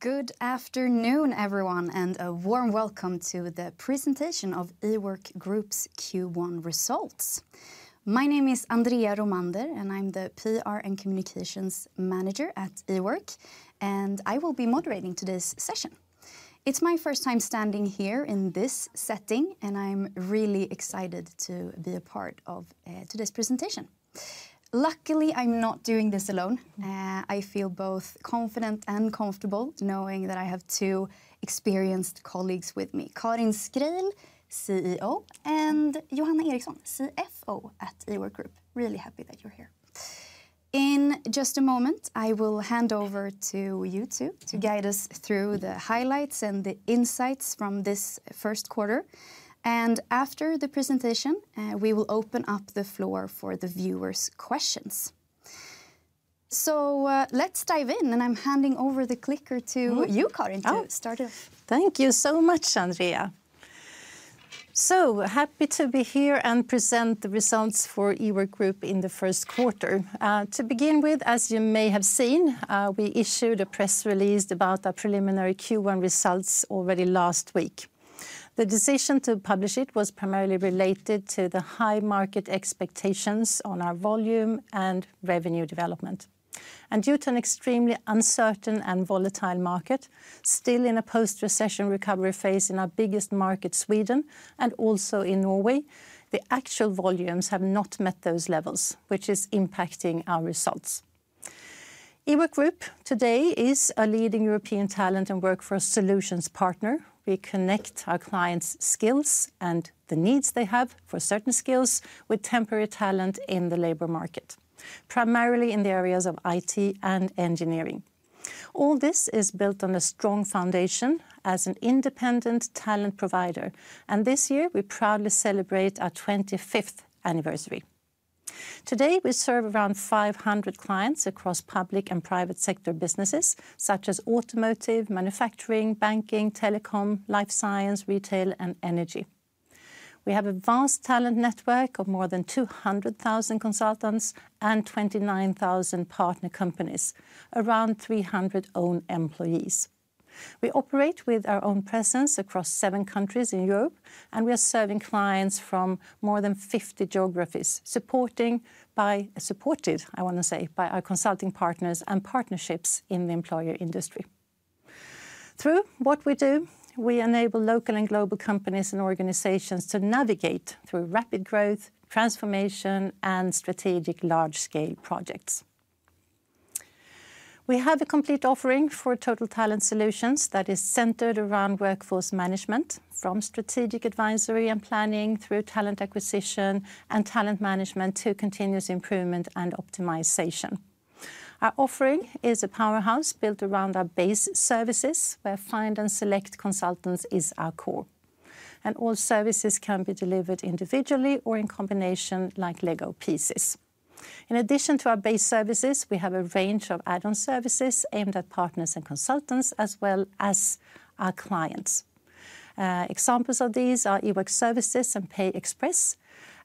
Good afternoon, everyone, and a warm welcome to the presentation of Ework Group's Q1 results. My name is Andrea Romander, and I'm the PR and Communications Manager at Ework, and I will be moderating today's session. It's my first time standing here in this setting, and I'm really excited to be a part of today's presentation. Luckily, I'm not doing this alone. I feel both confident and comfortable knowing that I have two experienced colleagues with me: Karin Schreil, CEO, and Johanna Eriksson, CFO at Ework Group. Really happy that you're here. In just a moment, I will hand over to you two to guide us through the highlights and the insights from this first quarter. After the presentation, we will open up the floor for the viewers' questions. Let's dive in, and I'm handing over the clicker to you, Karin, to start off. Thank you so much, Andrea. So happy to be here and present the results for Ework Group in the first quarter. To begin with, as you may have seen, we issued a press release about our preliminary Q1 results already last week. The decision to publish it was primarily related to the high market expectations on our volume and revenue development. Due to an extremely uncertain and volatile market, still in a post-recession recovery phase in our biggest market, Sweden, and also in Norway, the actual volumes have not met those levels, which is impacting our results. Ework Group today is a leading European talent and workforce solutions partner. We connect our clients' skills and the needs they have for certain skills with temporary talent in the labor market, primarily in the areas of IT and engineering. All this is built on a strong foundation as an independent talent provider, and this year we proudly celebrate our 25th anniversary. Today, we serve around 500 clients across public and private sector businesses such as automotive, manufacturing, banking, telecom, life science, retail, and energy. We have a vast talent network of more than 200,000 consultants and 29,000 partner companies, around 300 own employees. We operate with our own presence across seven countries in Europe, and we are serving clients from more than 50 geographies, supported by, I want to say, by our consulting partners and partnerships in the employer industry. Through what we do, we enable local and global companies and organizations to navigate through rapid growth, transformation, and strategic large-scale projects. We have a complete offering for total talent solutions that is centered around workforce management, from strategic advisory and planning through talent acquisition and talent management to continuous improvement and optimization. Our offering is a powerhouse built around our base services, where find and select consultants is our core. All services can be delivered individually or in combination, like Lego pieces. In addition to our base services, we have a range of add-on services aimed at partners and consultants, as well as our clients. Examples of these are Eworks Services and Pay Express,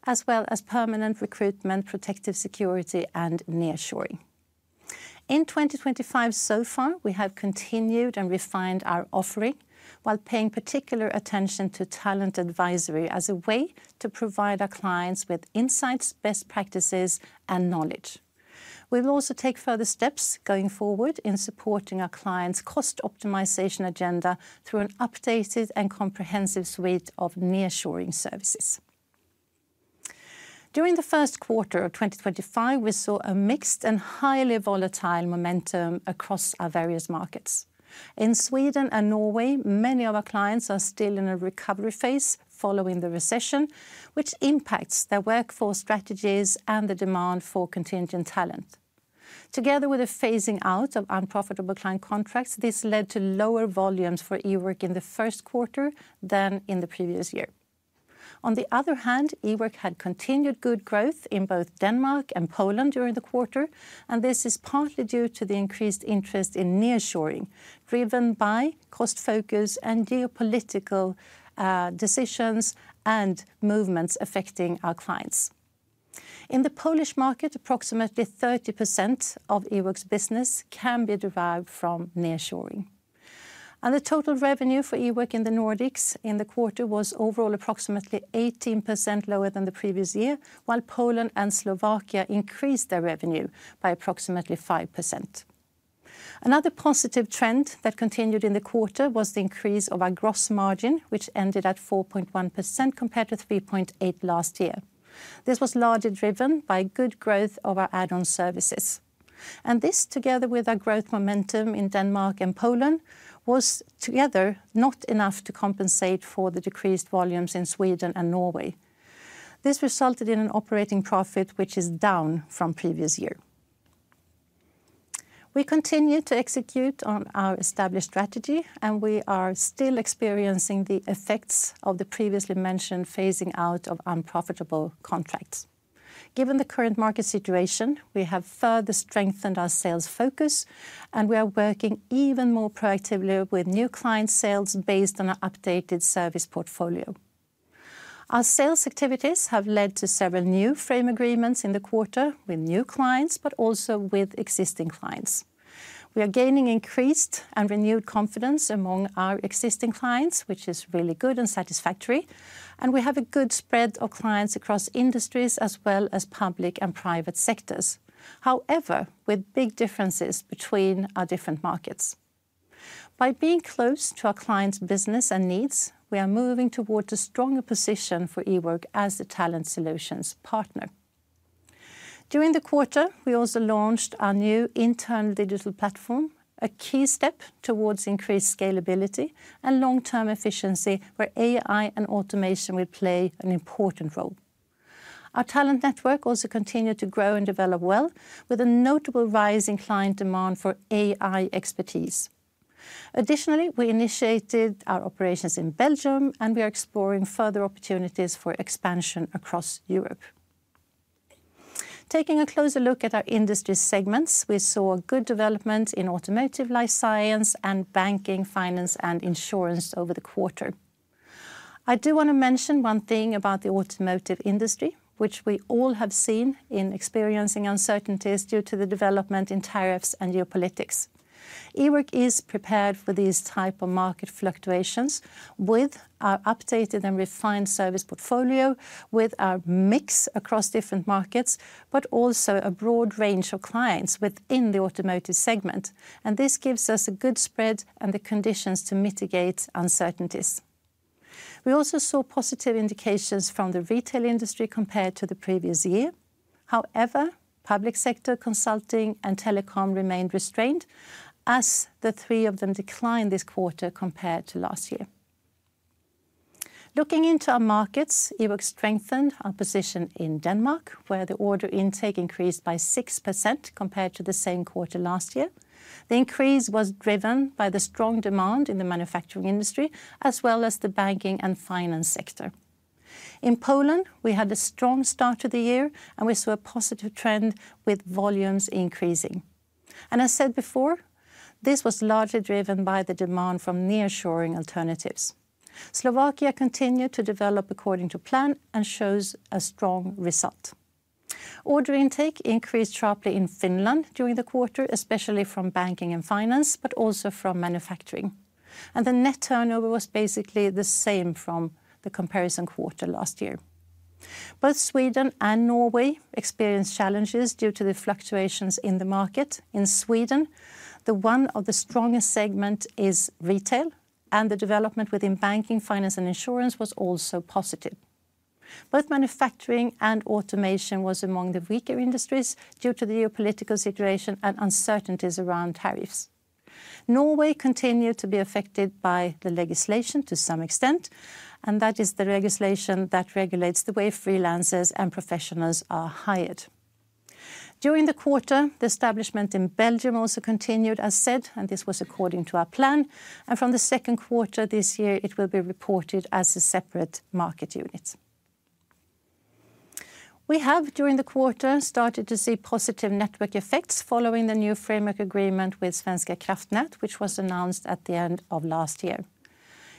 as well as permanent recruitment, protective security, and nearshoring. In 2025 so far, we have continued and refined our offering while paying particular attention to talent advisory as a way to provide our clients with insights, best practices, and knowledge. We will also take further steps going forward in supporting our clients' cost optimization agenda through an updated and comprehensive suite of nearshoring services. During the first quarter of 2025, we saw a mixed and highly volatile momentum across our various markets. In Sweden and Norway, many of our clients are still in a recovery phase following the recession, which impacts their workforce strategies and the demand for contingent talent. Together with the phasing out of unprofitable client contracts, this led to lower volumes for Ework in the first quarter than in the previous year. On the other hand, Ework had continued good growth in both Denmark and Poland during the quarter, and this is partly due to the increased interest in nearshoring, driven by cost focus and geopolitical decisions and movements affecting our clients. In the Polish market, approximately 30% of Ework's business can be derived from nearshoring. The total revenue for Ework in the Nordics in the quarter was overall approximately 18% lower than the previous year, while Poland and Slovakia increased their revenue by approximately 5%. Another positive trend that continued in the quarter was the increase of our gross margin, which ended at 4.1% compared to 3.8% last year. This was largely driven by good growth of our add-on services. This, together with our growth momentum in Denmark and Poland, was together not enough to compensate for the decreased volumes in Sweden and Norway. This resulted in an operating profit, which is down from the previous year. We continue to execute on our established strategy, and we are still experiencing the effects of the previously mentioned phasing out of unprofitable contracts. Given the current market situation, we have further strengthened our sales focus, and we are working even more proactively with new client sales based on our updated service portfolio. Our sales activities have led to several new frame agreements in the quarter with new clients, but also with existing clients. We are gaining increased and renewed confidence among our existing clients, which is really good and satisfactory. We have a good spread of clients across industries, as well as public and private sectors. However, with big differences between our different markets. By being close to our clients' business and needs, we are moving towards a stronger position for Ework as a talent solutions partner. During the quarter, we also launched our new internal digital platform, a key step towards increased scalability and long-term efficiency, where AI and automation will play an important role. Our talent network also continued to grow and develop well, with a notable rise in client demand for AI expertise. Additionally, we initiated our operations in Belgium, and we are exploring further opportunities for expansion across Europe. Taking a closer look at our industry segments, we saw good developments in automotive, life science, and banking, finance, and insurance over the quarter. I do want to mention one thing about the automotive industry, which we all have seen in experiencing uncertainties due to the development in tariffs and geopolitics. Ework is prepared for these types of market fluctuations with our updated and refined service portfolio, with our mix across different markets, but also a broad range of clients within the automotive segment. This gives us a good spread and the conditions to mitigate uncertainties. We also saw positive indications from the retail industry compared to the previous year. However, public sector consulting and telecom remained restrained as the three of them declined this quarter compared to last year. Looking into our markets, Ework strengthened our position in Denmark, where the order intake increased by 6% compared to the same quarter last year. The increase was driven by the strong demand in the manufacturing industry, as well as the banking and finance sector. In Poland, we had a strong start to the year, and we saw a positive trend with volumes increasing. As said before, this was largely driven by the demand from nearshoring alternatives. Slovakia continued to develop according to plan and shows a strong result. Order intake increased sharply in Finland during the quarter, especially from banking and finance, but also from manufacturing. The net turnover was basically the same from the comparison quarter last year. Both Sweden and Norway experienced challenges due to the fluctuations in the market. In Sweden, one of the strongest segments is retail, and the development within banking, finance, and insurance was also positive. Both manufacturing and automation were among the weaker industries due to the geopolitical situation and uncertainties around tariffs. Norway continued to be affected by the legislation to some extent, and that is the legislation that regulates the way freelancers and professionals are hired. During the quarter, the establishment in Belgium also continued, as said, and this was according to our plan. From the second quarter this year, it will be reported as a separate market unit. We have, during the quarter, started to see positive network effects following the new framework agreement with Svenska Kraftnät, which was announced at the end of last year.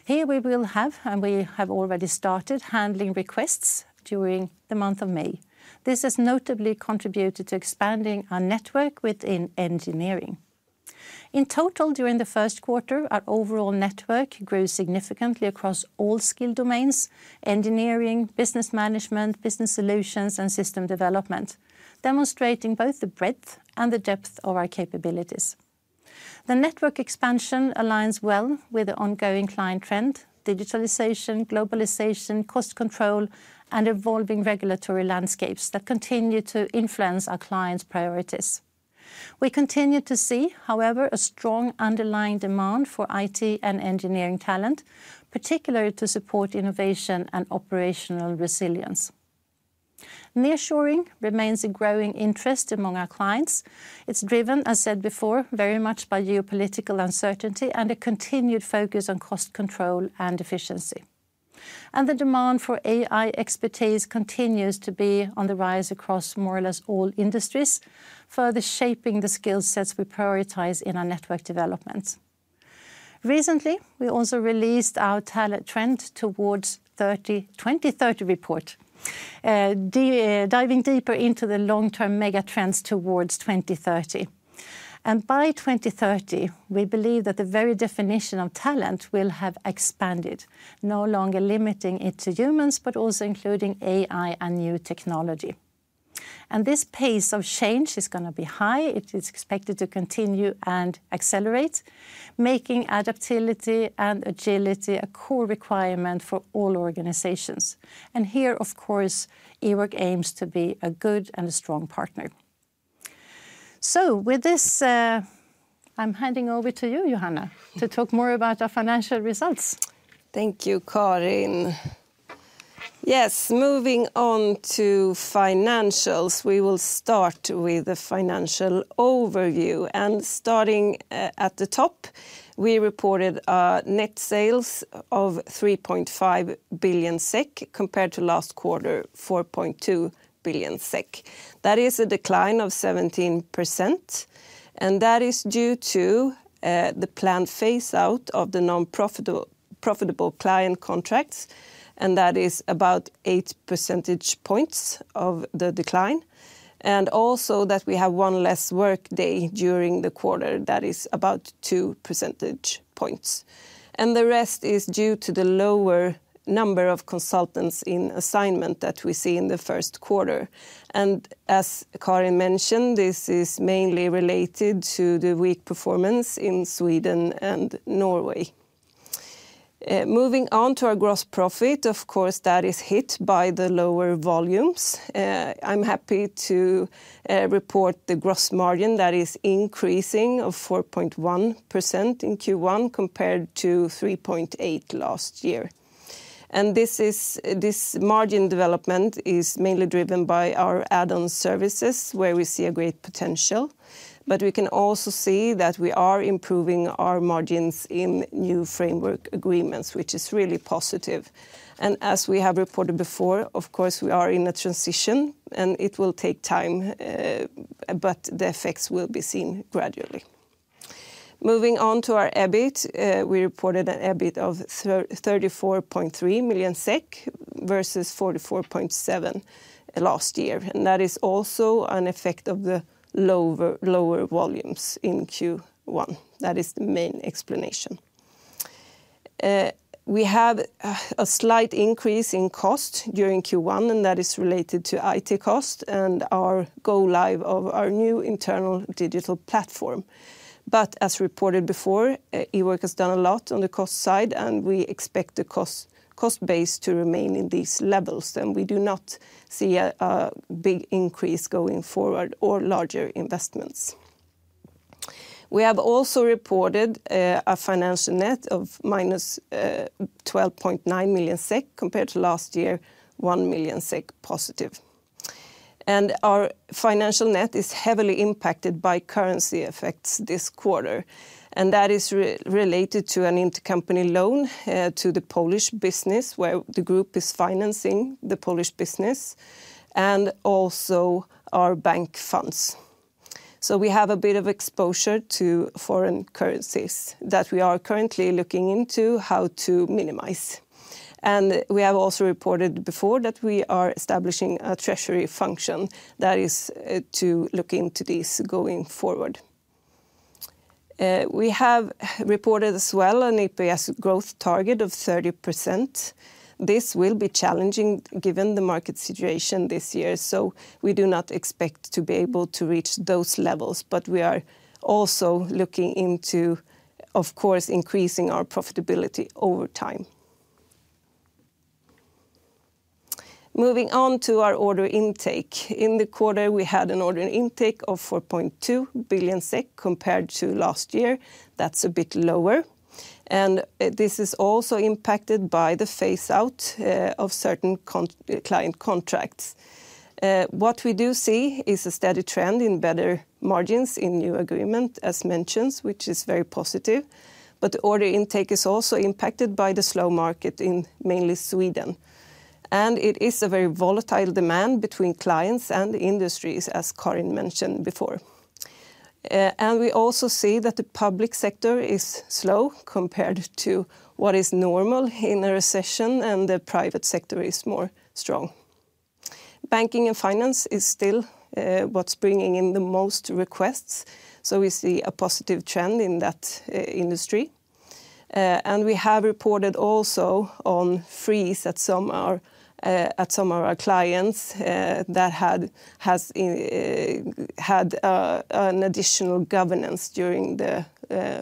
Here we will have, and we have already started handling requests during the month of May. This has notably contributed to expanding our network within engineering. In total, during the first quarter, our overall network grew significantly across all skill domains: engineering, business management, business solutions, and system development, demonstrating both the breadth and the depth of our capabilities. The network expansion aligns well with the ongoing client trend: digitalization, globalization, cost control, and evolving regulatory landscapes that continue to influence our clients' priorities. We continue to see, however, a strong underlying demand for IT and engineering talent, particularly to support innovation and operational resilience. Nearshoring remains a growing interest among our clients. It's driven, as said before, very much by geopolitical uncertainty and a continued focus on cost control and efficiency. The demand for AI expertise continues to be on the rise across more or less all industries, further shaping the skill sets we prioritize in our network developments. Recently, we also released our talent trend towards 2030 report, diving deeper into the long-term mega trends towards 2030. By 2030, we believe that the very definition of talent will have expanded, no longer limiting it to humans, but also including AI and new technology. This pace of change is going to be high. It is expected to continue and accelerate, making adaptability and agility a core requirement for all organizations. Here, of course, Ework aims to be a good and a strong partner. With this, I'm handing over to you, Johanna, to talk more about our financial results. Thank you, Karin. Yes, moving on to financials, we will start with the financial overview. Starting at the top, we reported a net sales of 3.5 billion SEK compared to last quarter, 4.2 billion SEK. That is a decline of 17%. That is due to the planned phase-out of the non-profitable client contracts. That is about 8 percentage points of the decline. Also, we have one less workday during the quarter. That is about 2 percentage points. The rest is due to the lower number of consultants in assignment that we see in the first quarter. As Karin mentioned, this is mainly related to the weak performance in Sweden and Norway. Moving on to our gross profit, of course, that is hit by the lower volumes. I'm happy to report the gross margin that is increasing of 4.1% in Q1 compared to 3.8% last year. This margin development is mainly driven by our add-on services, where we see great potential. We can also see that we are improving our margins in new framEwork agreements, which is really positive. As we have reported before, of course, we are in a transition, and it will take time, but the effects will be seen gradually. Moving on to our EBIT, we reported an EBIT of 34.3 million SEK versus 44.7 million SEK last year. That is also an effect of the lower volumes in Q1. That is the main explanation. We have a slight increase in cost during Q1, and that is related to IT cost and our go-live of our new internal digital platform. As reported before, Ework has done a lot on the cost side, and we expect the cost base to remain at these levels. We do not see a big increase going forward or larger investments. We have also reported a financial net of -12.9 million SEK compared to last year, 1 million SEK positive. Our financial net is heavily impacted by currency effects this quarter. That is related to an intercompany loan to the Polish business, where the group is financing the Polish business, and also our bank funds. We have a bit of exposure to foreign currencies that we are currently looking into how to minimize. We have also reported before that we are establishing a treasury function that is to look into these going forward. We have reported as well an EPS growth target of 30%. This will be challenging given the market situation this year. We do not expect to be able to reach those levels. We are also looking into, of course, increasing our profitability over time. Moving on to our order intake. In the quarter, we had an order intake of 4.2 billion SEK compared to last year. That is a bit lower. This is also impacted by the phase-out of certain client contracts. What we do see is a steady trend in better margins in new agreements, as mentioned, which is very positive. The order intake is also impacted by the slow market in mainly Sweden. It is a very volatile demand between clients and industries, as Karin mentioned before. We also see that the public sector is slow compared to what is normal in a recession, and the private sector is more strong. Banking and finance is still what is bringing in the most requests. We see a positive trend in that industry. We have reported also on freeze at some of our clients that had had an additional governance during the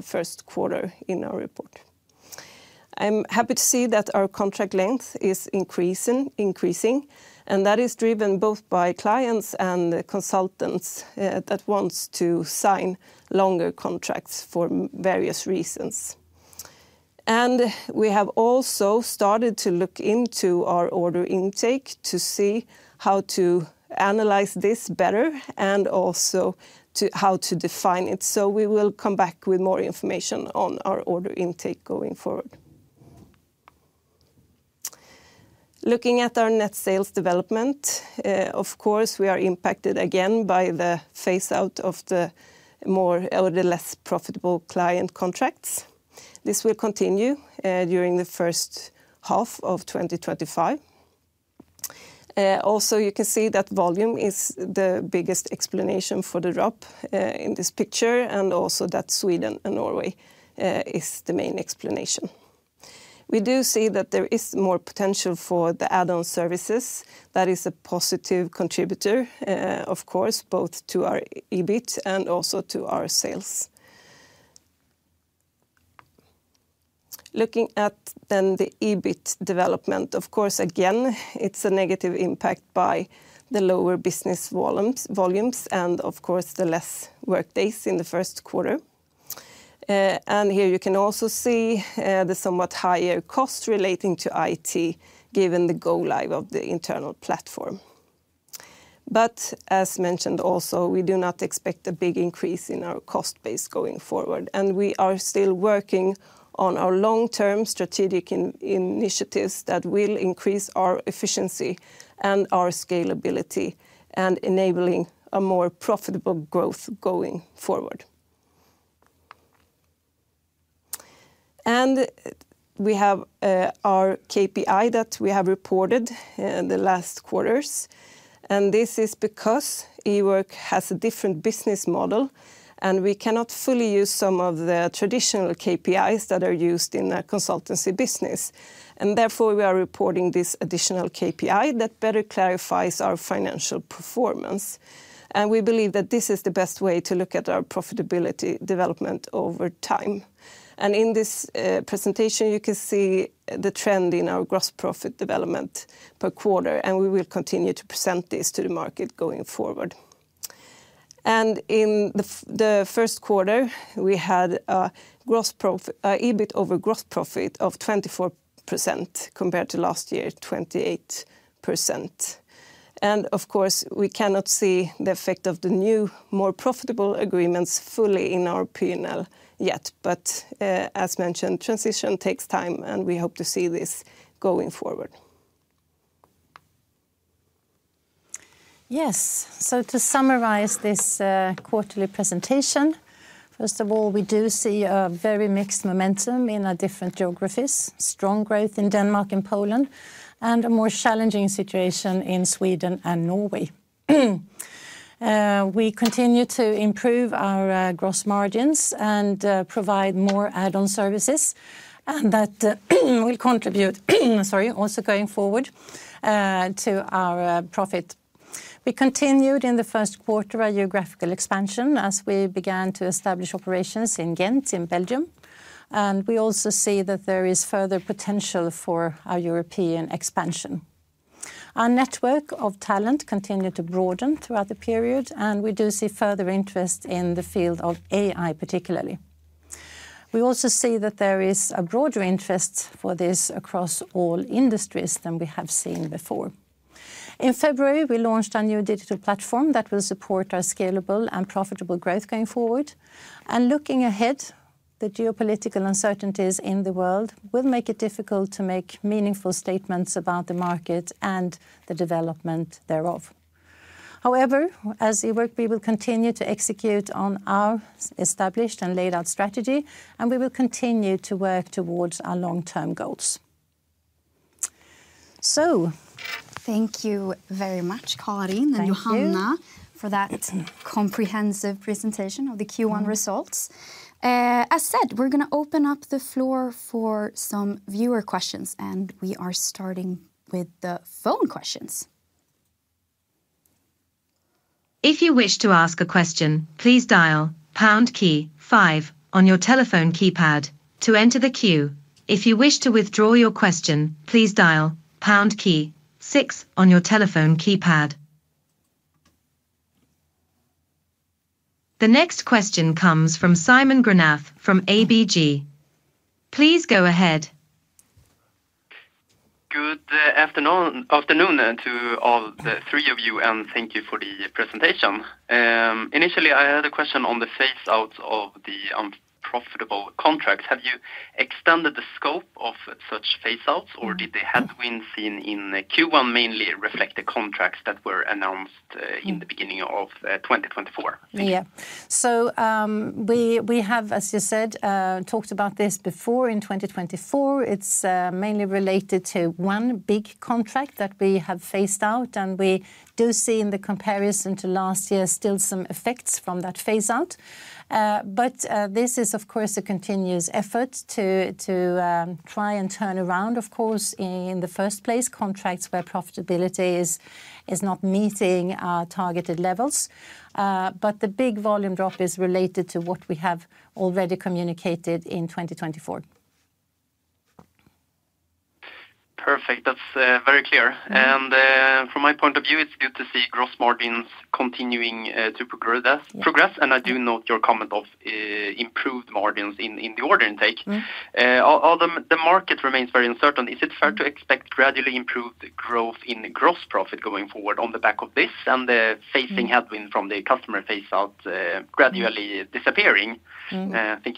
first quarter in our report. I am happy to see that our contract length is increasing, and that is driven both by clients and consultants that want to sign longer contracts for various reasons. We have also started to look into our order intake to see how to analyze this better and also how to define it. We will come back with more information on our order intake going forward. Looking at our net sales development, of course, we are impacted again by the phase-out of the more or the less profitable client contracts. This will continue during the first half of 2025. Also, you can see that volume is the biggest explanation for the drop in this picture, and also that Sweden and Norway is the main explanation. We do see that there is more potential for the add-on services. That is a positive contributor, of course, both to our EBIT and also to our sales. Looking at then the EBIT development, of course, again, it's a negative impact by the lower business volumes and, of course, the less workdays in the first quarter. Here you can also see the somewhat higher cost relating to IT, given the go-live of the internal platform. As mentioned also, we do not expect a big increase in our cost base going forward. We are still working on our long-term strategic initiatives that will increase our efficiency and our scalability and enabling a more profitable growth going forward. We have our KPI that we have reported in the last quarters. This is because Ework has a different business model, and we cannot fully use some of the traditional KPIs that are used in a consultancy business. Therefore, we are reporting this additional KPI that better clarifies our financial performance. We believe that this is the best way to look at our profitability development over time. In this presentation, you can see the trend in our gross profit development per quarter, and we will continue to present this to the market going forward. In the first quarter, we had an EBIT over gross profit of 24% compared to last year, 28%. Of course, we cannot see the effect of the new, more profitable agreements fully in our P&L yet. As mentioned, transition takes time, and we hope to see this going forward. Yes. To summarize this quarterly presentation, first of all, we do see a very mixed momentum in different geographies, strong growth in Denmark and Poland, and a more challenging situation in Sweden and Norway. We continue to improve our gross margins and provide more add-on services, and that will contribute, sorry, also going forward to our profit. We continued in the first quarter our geographical expansion as we began to establish operations in Ghent in Belgium. We also see that there is further potential for our European expansion. Our network of talent continued to broaden throughout the period, and we do see further interest in the field of AI particularly. We also see that there is a broader interest for this across all industries than we have seen before. In February, we launched our new digital platform that will support our scalable and profitable growth going forward. Looking ahead, the geopolitical uncertainties in the world will make it difficult to make meaningful statements about the market and the development thereof. However, as Ework, we will continue to execute on our established and laid out strategy, and we will continue to work towards our long-term goals. Thank you very much, Karin and Johanna, for that comprehensive presentation of the Q1 results. As said, we're going to open up the floor for some viewer questions, and we are starting with the phone questions. If you wish to ask a question, please dial pound key five on your telephone keypad to enter the queue. If you wish to withdraw your question, please dial pound key six on your telephone keypad. The next question comes from Simon Grenath from ABG. Please go ahead. Good afternoon to all three of you, and thank you for the presentation. Initially, I had a question on the phase-outs of the unprofitable contracts. Have you extended the scope of such phase-outs, or did the headwinds seen in Q1 mainly reflect the contracts that were announced in the beginning of 2024? Yeah. We have, as you said, talked about this before in 2024. It's mainly related to one big contract that we have phased out, and we do see in the comparison to last year still some effects from that phase-out. This is, of course, a continuous effort to try and turn around, of course, in the first place, contracts where profitability is not meeting our targeted levels. The big volume drop is related to what we have already communicated in 2024. Perfect. That's very clear. From my point of view, it's good to see gross margins continuing to progress. I do note your comment of improved margins in the order intake. Although the market remains very uncertain, is it fair to expect gradually improved growth in gross profit going forward on the back of this and the phasing headwind from the customer phase-out gradually disappearing? I think.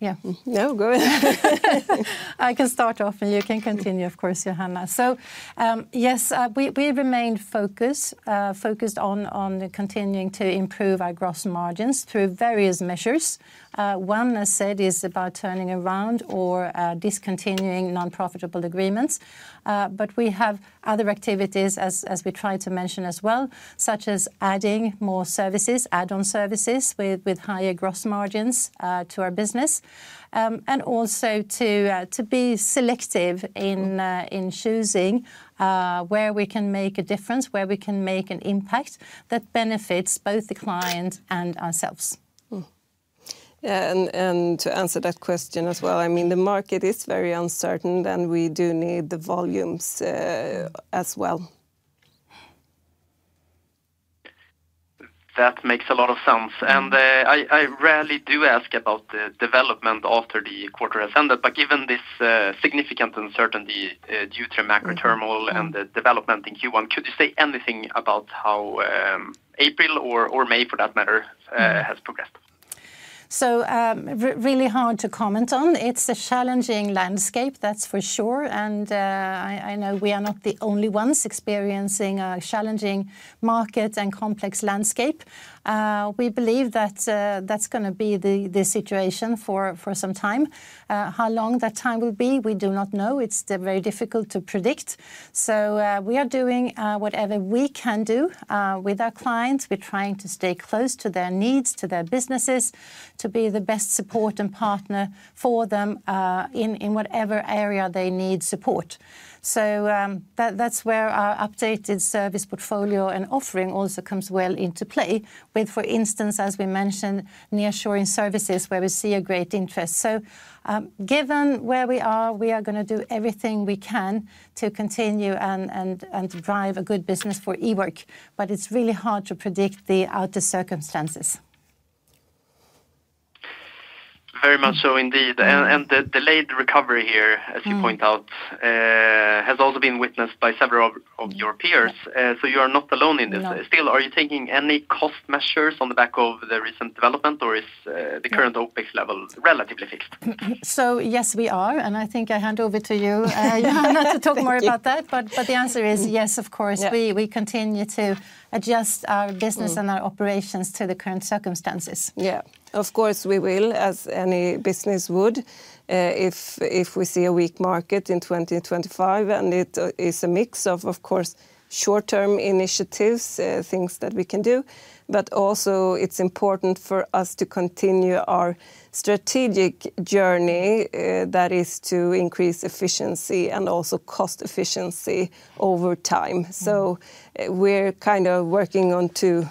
Yeah. No, go ahead. I can start off, and you can continue, of course, Johanna. Yes, we remain focused on continuing to improve our gross margins through various measures. One, as said, is about turning around or discontinuing non-profitable agreements. We have other activities, as we tried to mention as well, such as adding more services, add-on services with higher gross margins to our business, and also to be selective in choosing where we can make a difference, where we can make an impact that benefits both the clients and ourselves. And to answer that question as well, I mean, the market is very uncertain, and we do need the volumes as well. That makes a lot of sense. I rarely do ask about the development after the quarter has ended, but given this significant uncertainty due to macro turmoil and the development in Q1, could you say anything about how April or May, for that matter, has progressed? It is really hard to comment on. It is a challenging landscape, that is for sure. I know we are not the only ones experiencing a challenging market and complex landscape. We believe that that is going to be the situation for some time. How long that time will be, we do not know. It is very difficult to predict. We are doing whatever we can do with our clients. We're trying to stay close to their needs, to their businesses, to be the best support and partner for them in whatever area they need support. That is where our updated service portfolio and offering also comes well into play with, for instance, as we mentioned, nearshoring services where we see a great interest. Given where we are, we are going to do everything we can to continue and drive a good business for Ework. It is really hard to predict the outer circumstances. Very much so indeed. The delayed recovery here, as you point out, has also been witnessed by several of your peers. You are not alone in this. Still, are you taking any cost measures on the back of the recent development, or is the current OpEx level relatively fixed? Yes, we are. I think I hand over to you, Johanna, to talk more about that. The answer is yes, of course. We continue to adjust our business and our operations to the current circumstances. Yeah, of course we will, as any business would, if we see a weak market in 2025. It is a mix of, of course, short-term initiatives, things that we can do. Also, it is important for us to continue our strategic journey that is to increase efficiency and also cost efficiency over time. We are kind of working on two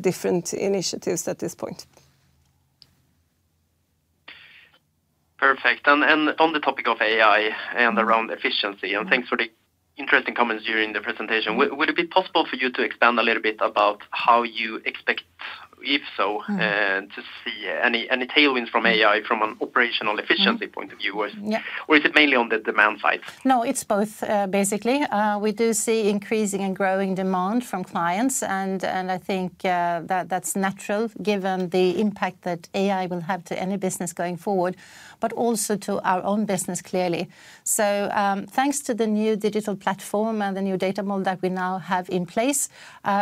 different initiatives at this point. Perfect. On the topic of AI and around efficiency, and thanks for the interesting comments during the presentation, would it be possible for you to expand a little bit about how you expect, if so, to see any tailwinds from AI from an operational efficiency point of view? Is it mainly on the demand side? No, it's both, basically. We do see increasing and growing demand from clients. I think that that's natural given the impact that AI will have to any business going forward, but also to our own business clearly. Thanks to the new digital platform and the new data model that we now have in place,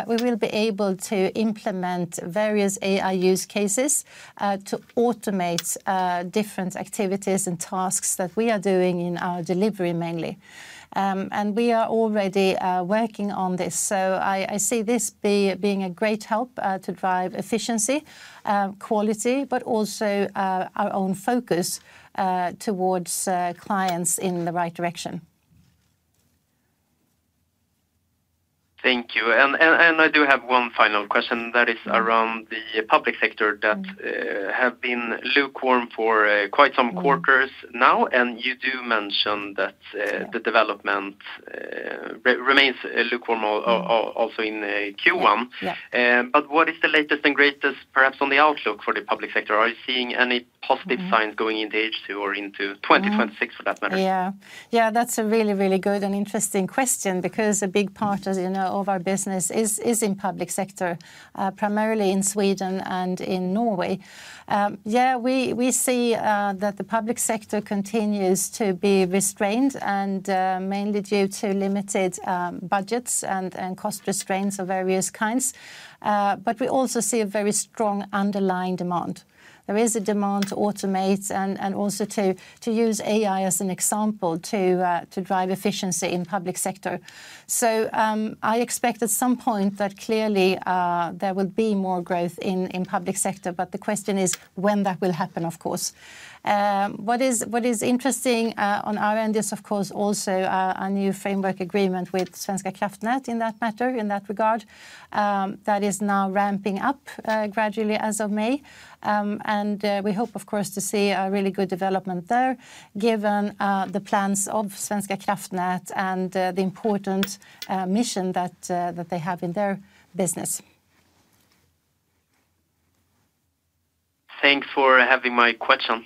we will be able to implement various AI use cases to automate different activities and tasks that we are doing in our delivery mainly. We are already working on this. I see this being a great help to drive efficiency, quality, but also our own focus towards clients in the right direction. Thank you. I do have one final question that is around the public sector that has been lukewarm for quite some quarters now. You do mention that the development remains lukewarm also in Q1. What is the latest and greatest perhaps on the outlook for the public sector? Are you seeing any positive signs going into H2 or into 2026, for that matter? Yeah, yeah, that's a really, really good and interesting question because a big part of our business is in public sector, primarily in Sweden and in Norway. We see that the public sector continues to be restrained and mainly due to limited budgets and cost restraints of various kinds. We also see a very strong underlying demand. There is a demand to automate and also to use AI as an example to drive efficiency in public sector. I expect at some point that clearly there will be more growth in public sector, but the question is when that will happen, of course. What is interesting on our end is, of course, also a new framework agreement with Svenska Kraftnät in that matter, in that regard, that is now ramping up gradually as of May. We hope, of course, to see a really good development there given the plans of Svenska Kraftnät and the important mission that they have in their business. Thanks for having my question.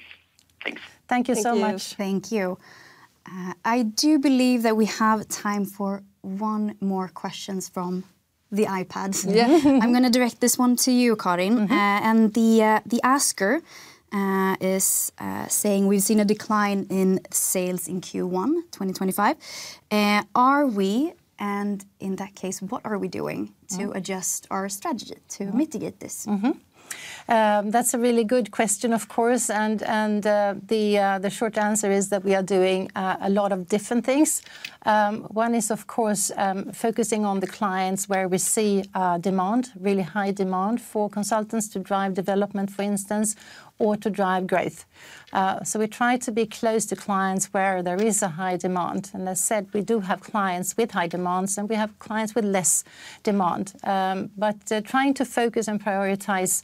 Thanks. Thank you so much. Thank you. I do believe that we have time for one more question from the iPads. I'm going to direct this one to you, Karin. The asker is saying, "We've seen a decline in sales in Q1 2025. Are we, and in that case, what are we doing to adjust our strategy to mitigate this? That's a really good question, of course. The short answer is that we are doing a lot of different things. One is, of course, focusing on the clients where we see demand, really high demand for consultants to drive development, for instance, or to drive growth. We try to be close to clients where there is a high demand. As said, we do have clients with high demands and we have clients with less demand. Trying to focus and prioritize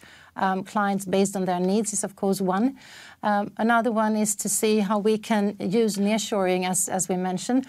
clients based on their needs is, of course, one. Another one is to see how we can use nearshoring, as we mentioned,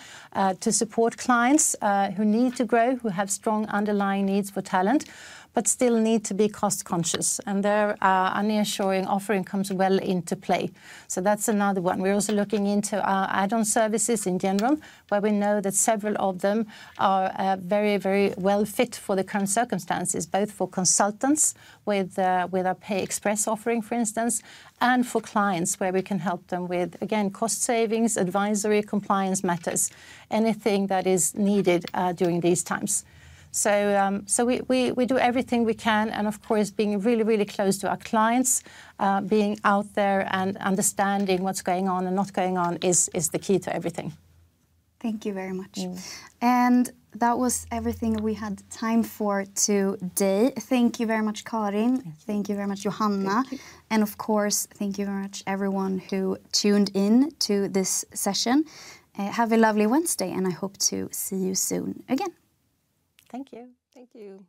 to support clients who need to grow, who have strong underlying needs for talent, but still need to be cost-conscious. There are nearshoring offerings that come well into play. That is another one. We're also looking into our add-on services in general, where we know that several of them are very, very well fit for the current circumstances, both for consultants with our Pay Express offering, for instance, and for clients where we can help them with, again, cost savings, advisory compliance matters, anything that is needed during these times. We do everything we can. Of course, being really, really close to our clients, being out there and understanding what's going on and not going on is the key to everything. Thank you very much. That was everything we had time for today. Thank you very much, Karin. Thank you very much, Johanna. Thank you very much everyone who tuned in to this session. Have a lovely Wednesday, and I hope to see you soon again. Thank you. Thank you.